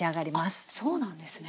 あっそうなんですね。